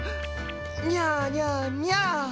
「にゃにゃにゃ」